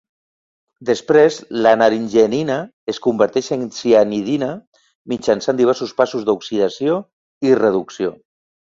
Després la naringenina es converteix en cianidina mitjançant diversos passos d'oxidació i reducció.